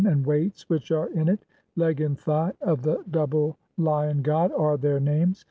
and weights which are in "it; 'Leg and Thigh (10) of the double Lion god' [are their "names].